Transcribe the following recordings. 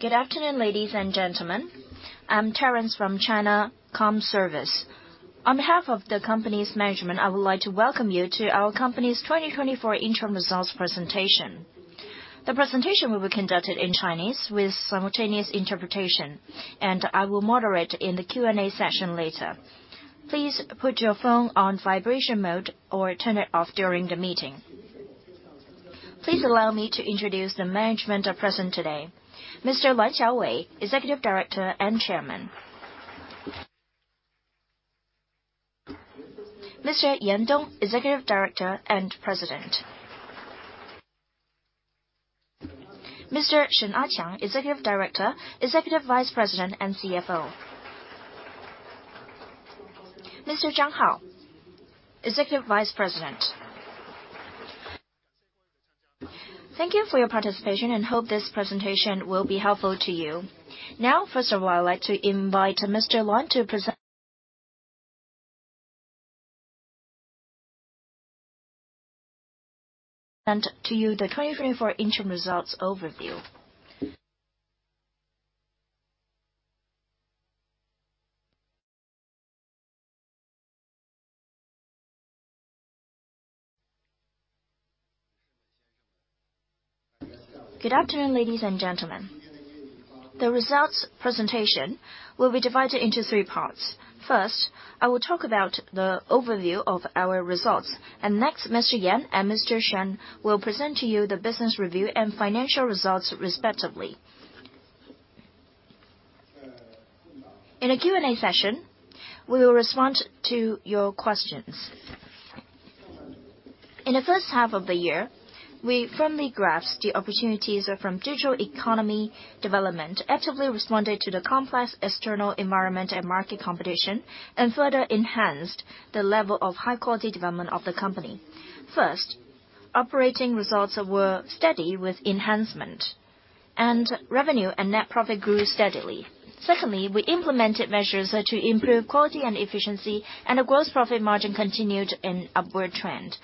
Good afternoon, ladies and gentlemen. I'm Terence from China Com Service. On behalf of the company's management, I would like to welcome you to our company's 2024 interim results presentation. The presentation will be conducted in Chinese with simultaneous interpretation, and I will moderate in the Q&A session later. Please put your phone on vibration mode or turn it off during the meeting. Please allow me to introduce the management who are present today. Mr. Luan Xiaowei, Executive Director and Chairman. Mr. Yan Dong, Executive Director and President. Mr. Shen Aqiang, Executive Director, Executive Vice President, and CFO. Mr. Zhang Hao, Executive Vice President. Thank you for your participation, and I hope this presentation will be helpful to you. Now, first of all, I'd like to invite Mr. Luan to present to you the 2024 interim results overview. Good afternoon, ladies and gentlemen. The results presentation will be divided into three parts. First, I will talk about the overview of our results, and next, Mr. Yan and Mr. Shen will present to you the business review and financial results, respectively. In the Q&A session, we will respond to your questions. In the first half of the year, we firmly grasped the opportunities from digital economy development, actively responded to the complex external environment and market competition, and further enhanced the level of high-quality development of the company. First, operating results were steady with enhancement, and revenue and net profit grew steadily. Secondly, we implemented measures to improve quality and efficiency, and a gross profit margin continued an upward trend.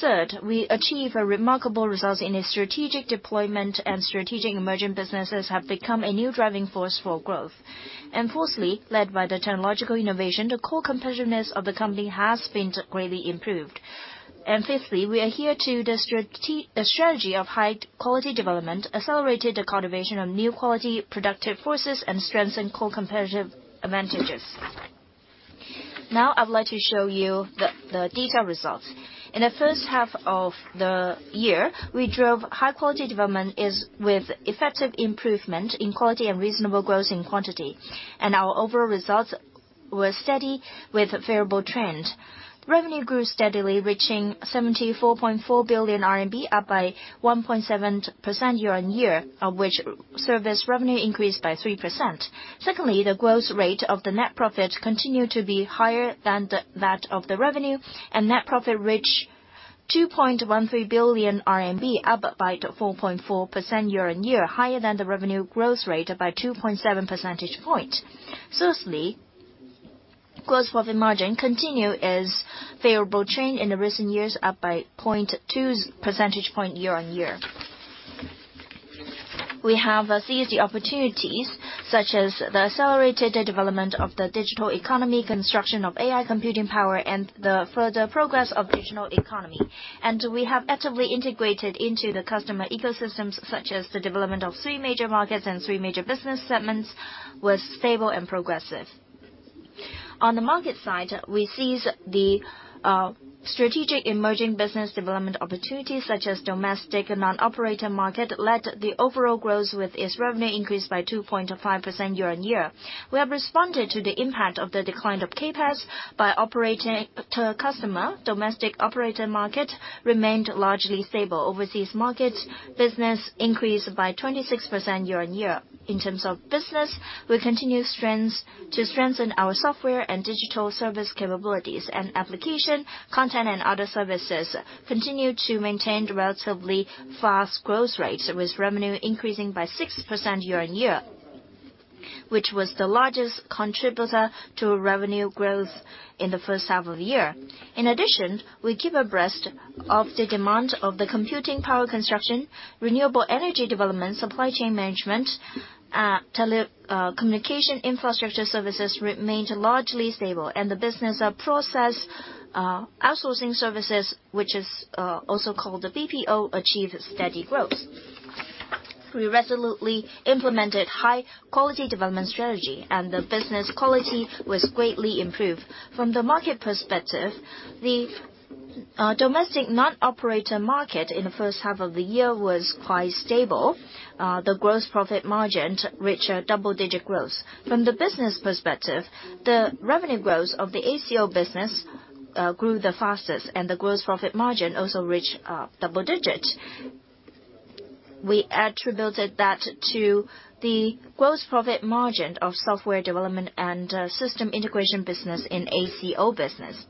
Third, we achieved remarkable results in a strategic deployment, and Strategic Emerging Businesses have become a new driving force for growth. Fourthly, led by the technological innovation, the core competitiveness of the company has been greatly improved. Fifthly, we adhere to the strategy of high-quality development, accelerate the cultivation of new quality productive forces, and strengthen core competitive advantages. Now, I'd like to show you the detailed results. In the first half of the year, we drove high-quality development with effective improvement in quality and reasonable growth in quantity, and our overall results were steady with a favorable trend. Revenue grew steadily, reaching 74.4 billion RMB, up by 1.7% year-on-year, of which service revenue increased by 3%. Secondly, the growth rate of the net profit continued to be higher than that of the revenue, and net profit reached 2.13 billion RMB, up by 4.4% year-on-year, higher than the revenue growth rate by 2.7 percentage points. Thirdly, gross profit margin continues its favorable trend in the recent years, up by 0.2 percentage point year-on-year. We have seized the opportunities, such as the accelerated development of the digital economy, construction of AI computing power, and the further progress of the digital economy, and we have actively integrated into the customer ecosystems, such as the development of three major markets and three major business segments, was stable and progressive. On the market side, we seized the Strategic Emerging Business development opportunities, such as Domestic Non-operator Market, led the overall growth with its revenue increase by 2.5% year-on-year. We have responded to the impact of the decline of CapEx by operating per customer. Domestic Operator Market remained largely stable. Overseas Markets business increased by 26% year-on-year. In terms of business, we continue to strengthen our software and digital service capabilities, and application, content, and other services continue to maintain the relatively fast growth rates, with revenue increasing by 6% year-on-year, which was the largest contributor to revenue growth in the first half of the year. In addition, we keep abreast of the demand of the computing power construction, renewable energy development, supply chain management. Telecommunication infrastructure services remained largely stable, and the business process outsourcing services, which is also called the BPO, achieved steady growth. We resolutely implemented a high-quality development strategy, and the business quality was greatly improved. From the market perspective, the Domestic Non-operator Market in the first half of the year was quite stable. The gross profit margin reached a double-digit growth. From the business perspective, the revenue growth of the ACO business grew the fastest, and the gross profit margin also reached double-digit. We attributed that to the gross profit margin of software development and system integration business in ACO business....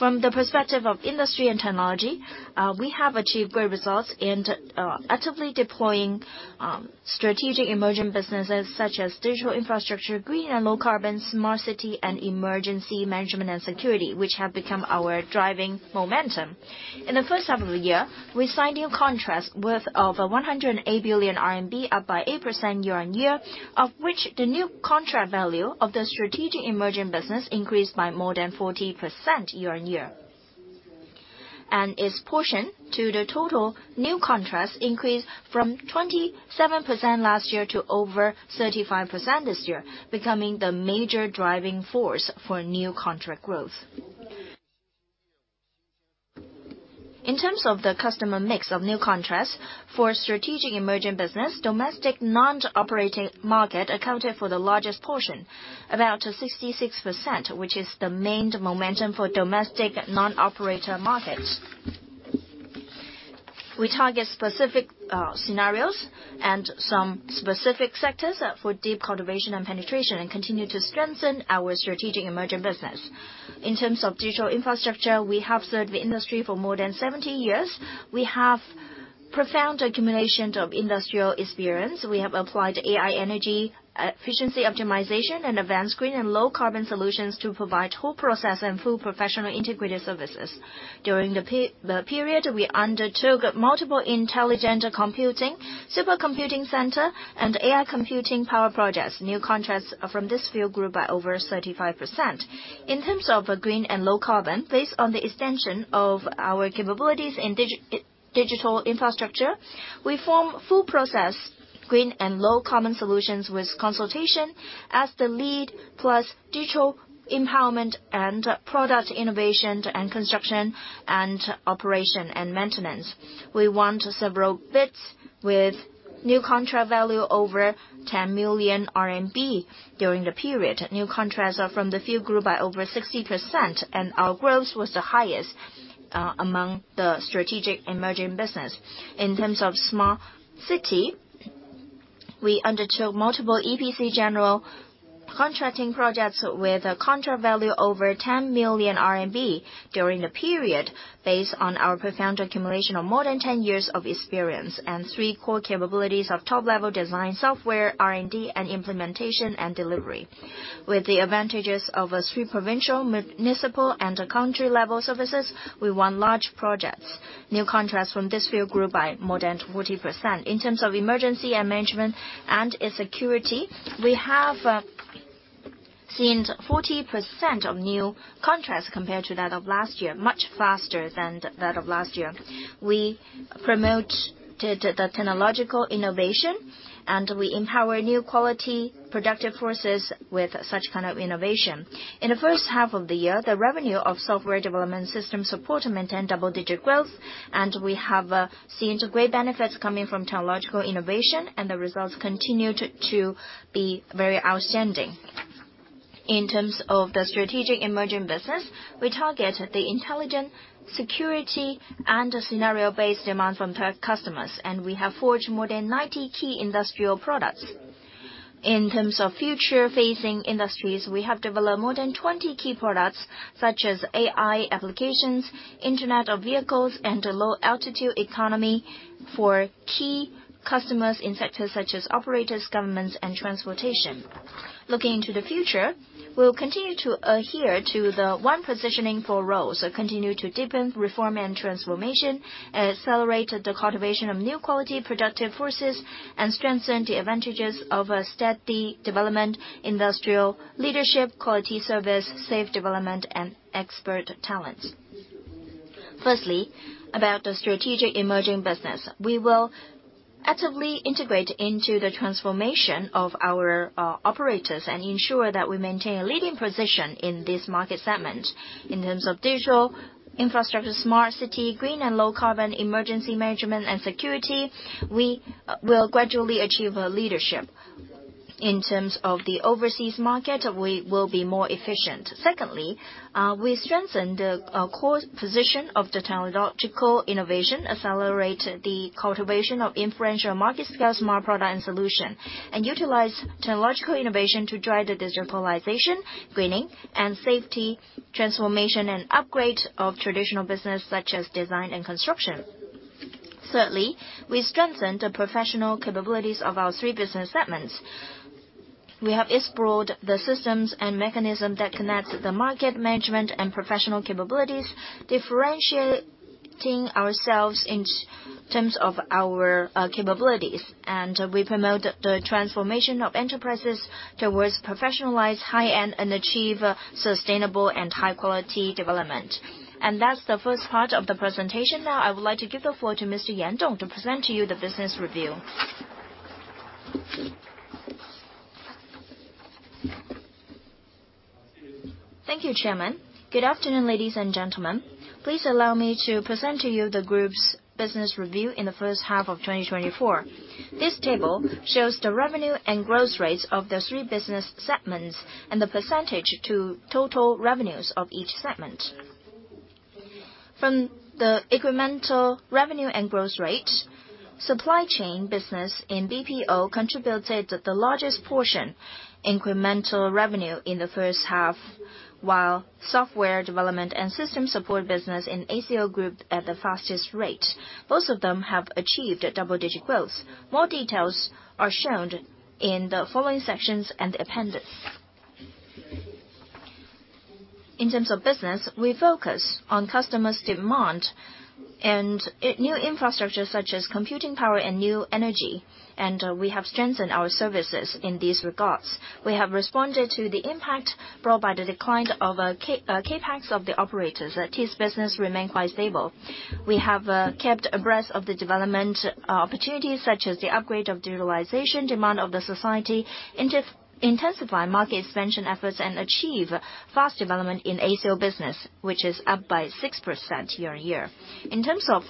From the perspective of industry and technology, we have achieved great results in actively deploying Strategic Emerging Businesses such as Digital Infrastructure, Green and Low-carbon, Smart City, and Emergency Management and Security, which have become our driving momentum. In the first half of the year, we signed new contracts worth over 108 billion RMB, up by 8% year-on-year, of which the new contract value of the Strategic Emerging Business increased by more than 40% year-on-year. Its portion to the total new contracts increased from 27% last year to over 35% this year, becoming the major driving force for new contract growth. In terms of the customer mix of new contracts for Strategic Emerging Business, Domestic Non-operator Market accounted for the largest portion, about 66%, which is the main momentum for Domestic Non-operator Markets. We target specific scenarios and some specific sectors for deep cultivation and penetration, and continue to strengthen our Strategic Emerging Business. In terms of Digital Infrastructure, we have served the industry for more than 17 years. We have a profound accumulation of industrial experience. We have applied AI energy efficiency optimization, and advanced Green and Low-carbon solutions to provide whole process and full professional integrated services. During the period, we undertook multiple Intelligent Computing, Supercomputing Center, and AI Computing Power Projects. New contracts from this field grew by over 35%. In terms of Green and Low-carbon, based on the extension of our capabilities in Digital Infrastructure, we form full process Green and Low-carbon solutions with consultation as the lead, plus digital empowerment and product innovation, and Construction, Operation, and Maintenance. We won several bids with new contract value over 10 million RMB during the period. New contracts from the field grew by over 60%, and our growth was the highest among the Strategic Emerging Business. In terms of smart city, we undertook multiple EPC general contracting projects with a contract value over 10 million RMB during the period, based on our profound accumulation of more than 10 years of experience, and three core capabilities of top-level design software, R&D, and implementation and delivery. With the advantages of three provincial, municipal, and country-level services, we won large projects. New contracts from this field grew by more than 40%. In terms of Emergency Management and Security, we have seen 40% of new contracts compared to that of last year, much faster than that of last year. We promote the technological innovation, and we empower new quality productive forces with such kind of innovation. In the first half of the year, the revenue of software development system support maintained double-digit growth, and we have seen great benefits coming from technological innovation, and the results continued to be very outstanding. In terms of the Strategic Emerging Business, we target the intelligent security and the scenario-based demand from tech customers, and we have forged more than ninety key industrial products. In terms of future-facing industries, we have developed more than twenty key products, such as AI Applications, Internet of Vehicles, and the low-altitude economy for key customers in sectors such as operators, governments, and transportation. Looking into the future, we'll continue to adhere to the One Positioning, Four Roles, so continue to deepen reform and transformation, accelerate the cultivation of new quality productive forces, and strengthen the advantages of a steady development, industrial leadership, quality service, safe development, and expert talents. Firstly, about the Strategic Emerging Business. We will actively integrate into the transformation of our operators and ensure that we maintain a leading position in this market segment. In terms of Digital Infrastructure, Smart City, Green and Low-carbon, Emergency Management, and Security, we will gradually achieve a leadership. In terms of the Overseas Market, we will be more efficient. Secondly, we strengthen the core position of the technological innovation, accelerate the cultivation of influential market-scale smart products and solutions, and utilize technological innovation to drive the digitalization, greening, and safety transformation and upgrade of traditional business, such as Design and Construction. Thirdly, we strengthen the professional capabilities of our three business segments. We have explored the systems and mechanism that connects the market management and professional capabilities, differentiating ourselves in terms of our capabilities. And we promote the transformation of enterprises towards professionalized high-end, and achieve sustainable and high-quality development. And that's the first part of the presentation. Now, I would like to give the floor to Mr. Yan Dong to present to you the business review. Thank you, Chairman. Good afternoon, ladies and gentlemen. Please allow me to present to you the group's business review in the first half of 2024. This table shows the revenue and growth rates of the three business segments and the percentage to total revenues of each segment. From the incremental revenue and growth rate, supply chain business in BPO contributed the largest portion of incremental revenue in the first half, while software development and system support business in ACO grew at the fastest rate. Both of them have achieved double-digit growth. More details are shown in the following sections and appendix. In terms of business, we focus on customers' demand and new infrastructure, such as computing power and new energy, and we have strengthened our services in these regards. We have responded to the impact brought by the decline of CapEx of the operators. That this business remain quite stable. We have kept abreast of the development opportunities, such as the upgrade of digitalization, demand of the society, intensifying market expansion efforts, and achieve fast development in ACO business, which is up by 6% year-on-year. In terms of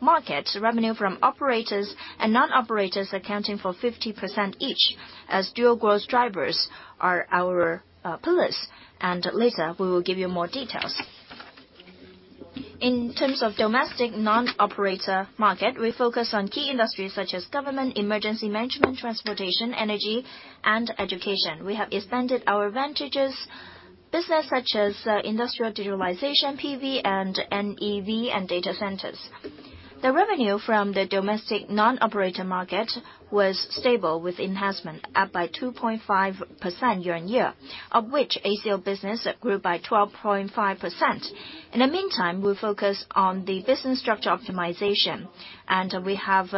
market, revenue from Operators and Non-operators accounting for 50% each, as dual growth drivers are our pillars, and later, we will give you more details. In terms of Domestic Non-operator Market, we focus on key industries such as Government, Emergency Management, Transportation, Energy, and Education. We have expanded our advantages, business such as Industrial Digitalization, PV, and NEV, and Data Centers. The revenue from the Domestic Non-operator Market was stable with enhancement, up by 2.5% year-on-year, of which ACO business grew by 12.5%. In the meantime, we focus on the business structure optimization, and we have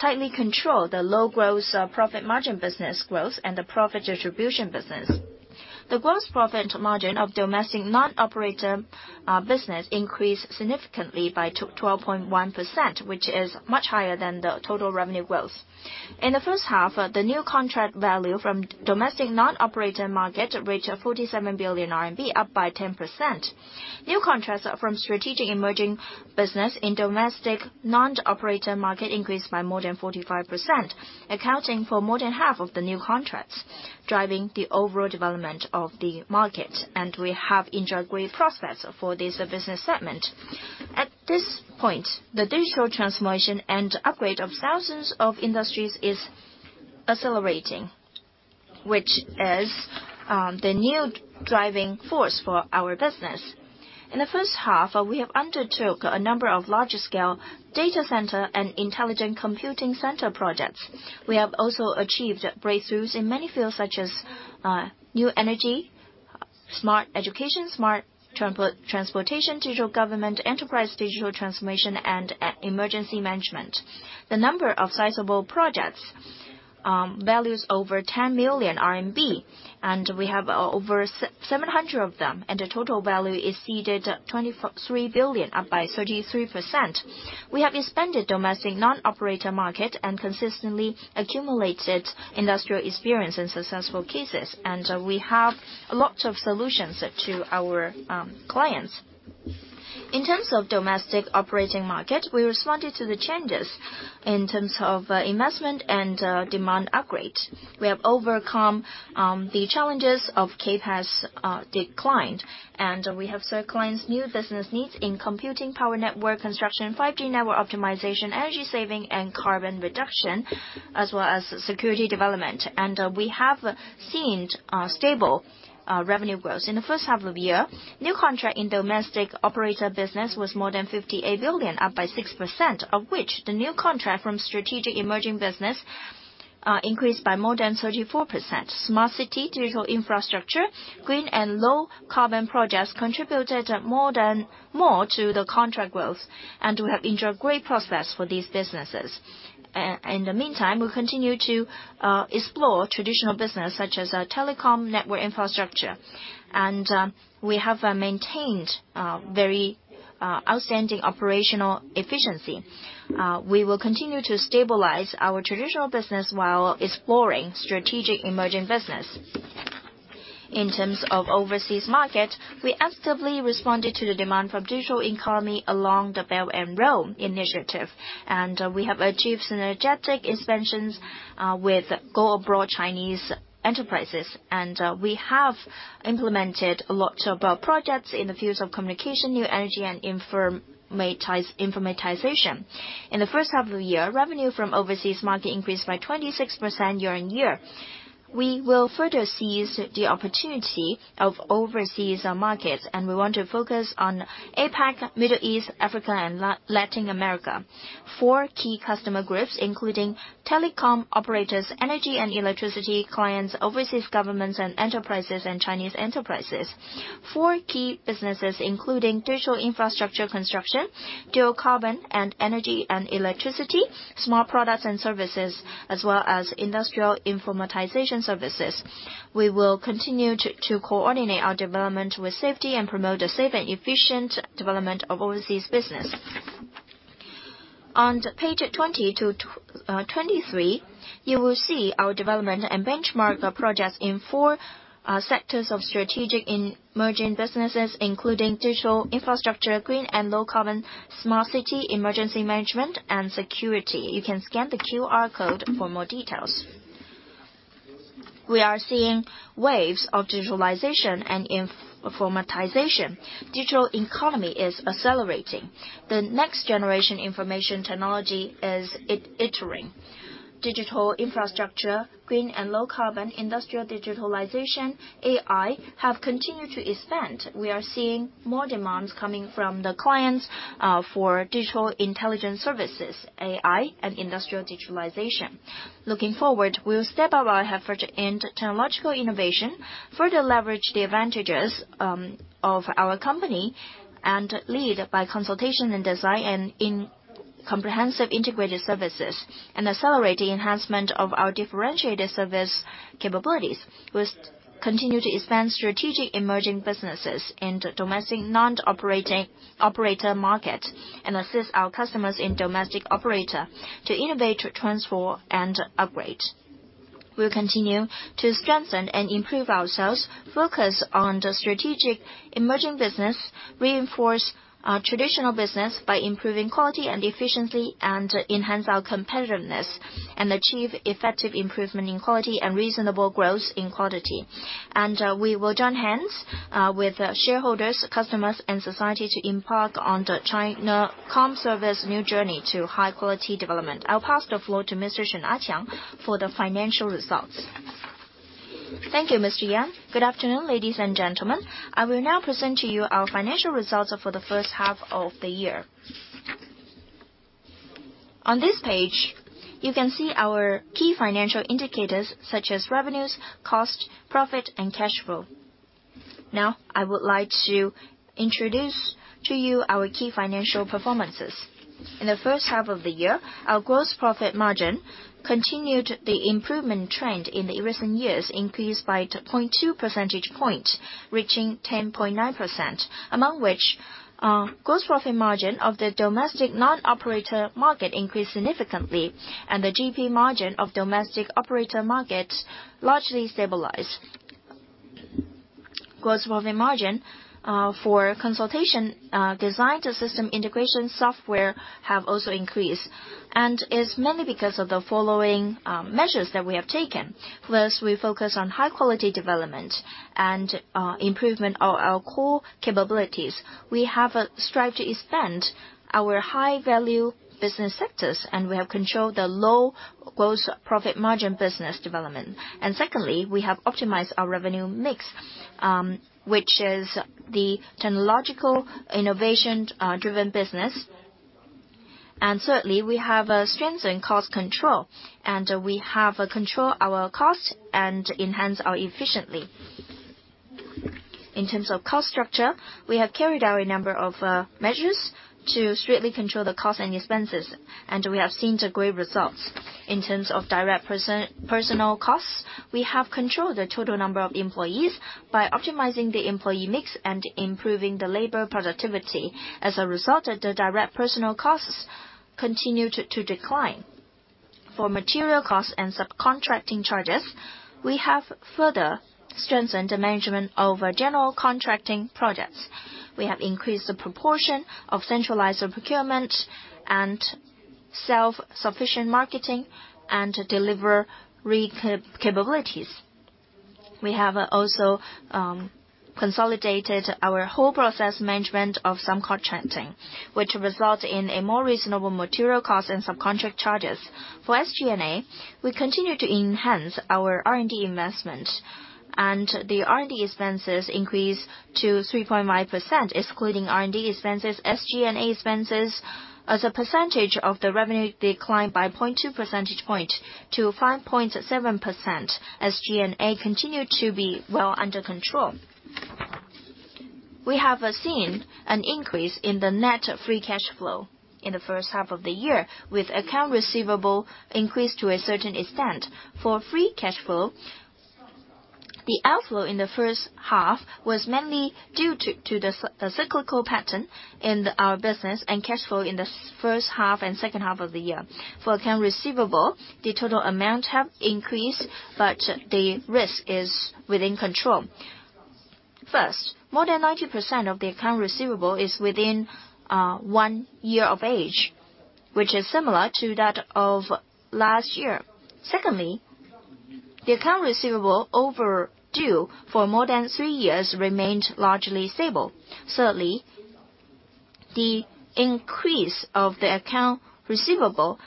tightly controlled the low-growth profit margin business growth and the profit distribution business. The gross profit margin of Domestic Non-operator business increased significantly by 12.1%, which is much higher than the total revenue growth. In the first half, the new contract value from Domestic Non-operator Market reached 47 billion RMB, up by 10%. New contracts from Strategic Emerging Business in Domestic Non-operator Market increased by more than 45%, accounting for more than half of the new contracts, driving the overall development of the market, and we have enjoyed great prospects for this business segment. At this point, the Digital Transformation and upgrade of thousands of industries is accelerating, which is the new driving force for our business. In the first half, we have undertook a number of larger-scale Data Center and Intelligent Computing Center projects. We have also achieved breakthroughs in many fields, such as New Energy, Smart Education, Smart Transportation, Digital Government, Enterprise Digital Transformation, and Emergency Management. The number of sizable projects values over 10 billion RMB, and we have over 700 of them, and the total value is exceeded 23 billion, up by 33%. We have expanded Domestic Non-operator Market and consistently accumulated industrial experience and successful cases, and we have a lot of solutions to our clients. In terms of Domestic Operator Market, we responded to the changes in terms of investment and demand upgrade. We have overcome the challenges of CapEx decline, and we have served clients' new business needs in Computing Power Network Construction, 5G Network Optimization, Energy Saving and Carbon Reduction, as well as Security Development and we have seen stable revenue growth. In the first half of the year, new contract in Domestic Operator Business was more than 58 billion, up by 6%, of which the new contract from Strategic Emerging Business increased by more than 34%. Smart city, Digital Infrastructure, Green and Low-carbon projects contributed more to the contract growth, and we have enjoyed great progress for these businesses. In the meantime, we continue to explore traditional business, such as Telecom Network Infrastructure, and we have maintained very outstanding operational efficiency. We will continue to stabilize our traditional business while exploring Strategic Emerging Business. In terms of Overseas Market, we actively responded to the demand from the Digital Economy along the Belt and Road Initiative, and we have achieved synergistic expansions with go-abroad Chinese enterprises. We have implemented a lot of projects in the fields of Communication, New Energy, and Informatization. In the first half of the year, revenue from Overseas Market increased by 26% year-on-year. We will further seize the opportunity of Overseas Markets, and we want to focus on APAC, Middle East, Africa, and Latin America. Four key customer groups, including Telecom Operators, energy and electricity clients, overseas governments and Enterprises, and Chinese enterprises. Four key businesses, including Digital Infrastructure Construction, Dual Carbon, energy and electricity, Smart Products and Services, as well as Industrial Informatization Services. We will continue to coordinate our development with safety and promote the safe and efficient development of Overseas business. On pages 20 to 23, you will see our development and benchmark projects in four sectors of Strategic Emerging Businesses, including Digital Infrastructure, Green and Low-carbon, Smart City, Emergency Management, and Security. You can scan the QR code for more details. We are seeing waves of Digitalization and Informatization. Digital Economy is accelerating. The next generation Information Technology is iterating. Digital infrastructure, Green and Low-carbon, Industrial Digitalization, AI, have continued to expand. We are seeing more demands coming from the clients for Digital Intelligence Services, AI, and Industrial Digitalization. Looking forward, we will step up our effort in technological innovation, further leverage the advantages of our company, and lead by consultation and design and in comprehensive integrated services, and accelerate the enhancement of our differentiated service capabilities. We'll continue to expand Strategic Emerging Businesses in the Domestic Non-operator Market, and assist our customers in Domestic Operators to innovate, to transform, and upgrade. We'll continue to strengthen and improve ourselves, focus on the Strategic Emerging Business, reinforce our traditional business by improving quality and efficiency, and enhance our competitiveness, and achieve effective improvement in quality and reasonable growth in quality. And we will join hands with the shareholders, customers, and society to embark on the China Com Service new journey to high-quality development. I'll pass the floor to Mr. Shen Aqiang for the financial results. Thank you, Mr. Yan. Good afternoon, ladies and gentlemen. I will now present to you our financial results for the first half of the year. On this page, you can see our key financial indicators, such as revenues, cost, profit, and cash flow. Now, I would like to introduce to you our key financial performances. In the first half of the year, our gross profit margin continued the improvement trend in the recent years, increased by 0.2 percentage point, reaching 10.9%, among which, gross profit margin of the Domestic Non-operator Market increased significantly, and the GP margin of Domestic Operator Market largely stabilized. Gross profit margin for consulting, design, the system integration software have also increased, and is mainly because of the following measures that we have taken. First, we focus on high-quality development and improvement of our core capabilities. We have strived to expand our high-value business sectors, and we have controlled the low gross profit margin business development. Secondly, we have optimized our revenue mix, which is the technological innovation driven business. Certainly, we have strengthened cost control, and we have controlled our costs and enhanced our efficiency. In terms of cost structure, we have carried out a number of measures to strictly control the costs and expenses, and we have seen great results. In terms of direct personal costs, we have controlled the total number of employees by optimizing the employee mix and improving the labor productivity. As a result, the direct personal costs continued to decline. For material costs and subcontracting charges, we have further strengthened the management of our general contracting projects. We have increased the proportion of centralized procurement and self-sufficient marketing and delivery capabilities. We have also consolidated our whole process management of subcontracting, which results in a more reasonable material cost and subcontract charges. For SG&A, we continue to enhance our R&D investment, and the R&D expenses increased to 3.5%, excluding R&D expenses. SG&A expenses as a percentage of the revenue declined by 0.2 percentage points to 5.7%. SG&A continued to be well under control. We have seen an increase in the net free cash flow in the first half of the year, with account receivable increased to a certain extent. For free cash flow, the outflow in the first half was mainly due to the cyclical pattern in our business and cash flow in the first half and second half of the year. For account receivable, the total amount have increased, but the risk is within control. First, more than 90% of the account receivable is within one year of age, which is similar to that of last year. Secondly, the account receivable overdue for more than three years remained largely stable. Thirdly, the increase of the account receivable,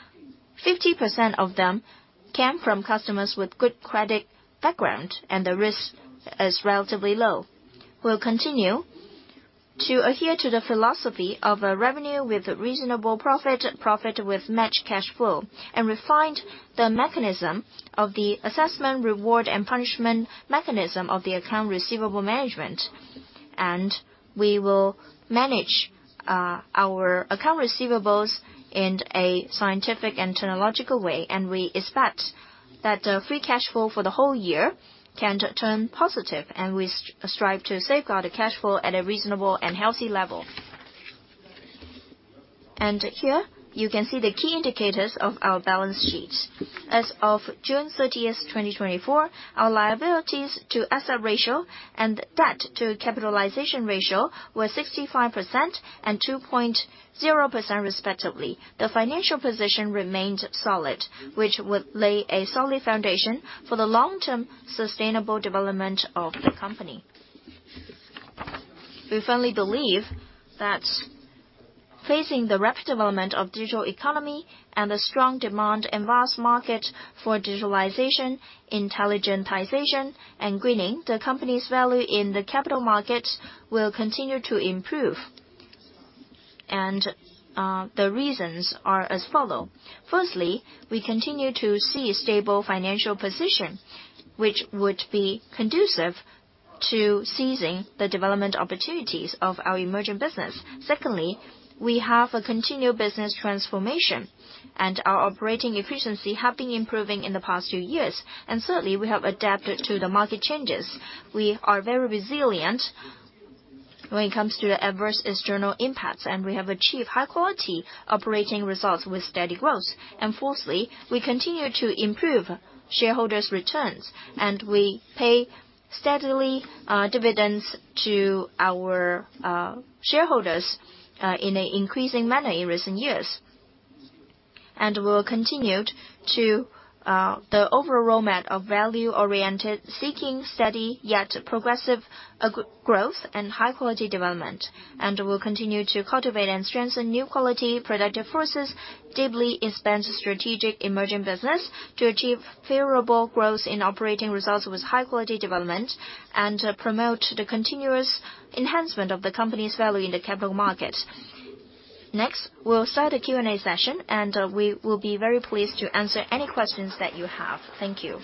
50% of them came from customers with good credit background, and the risk is relatively low. We'll continue to adhere to the philosophy of a revenue with reasonable profit, profit with matched cash flow, and refine the mechanism of the assessment, reward, and punishment mechanism of the account receivable management. We will manage our accounts receivable in a scientific and technological way, and we expect that the free cash flow for the whole year can turn positive, and we strive to safeguard the cash flow at a reasonable and healthy level. Here, you can see the key indicators of our balance sheet. As of June 30th, 2024, our liabilities to asset ratio and debt to capitalization ratio were 65% and 2.0%, respectively. The financial position remained solid, which would lay a solid foundation for the long-term sustainable development of the company. We firmly believe that facing the rapid development of Digital Economy and the strong demand and vast market for digitalization, intelligentization, and greening, the company's value in the capital markets will continue to improve. The reasons are as follow: firstly, we continue to see a stable financial position, which would be conducive to seizing the development opportunities of our emerging business. Secondly, we have a continued business transformation, and our operating efficiency have been improving in the past few years. Certainly, we have adapted to the market changes. We are very resilient when it comes to the adverse external impacts, and we have achieved high-quality operating results with steady growth. Fourthly, we continue to improve shareholders' returns, and we pay steadily dividends to our shareholders in an increasing manner in recent years. And we'll continue to the overall roadmap of value-oriented, seeking steady yet progressive growth and high-quality development, and we'll continue to cultivate and strengthen new quality productive forces, deeply expand the Strategic Emerging Business to achieve favorable growth in operating results with high-quality development, and promote the continuous enhancement of the company's value in the capital market. Next, we'll start the Q&A session, and we will be very pleased to answer any questions that you have. Thank you.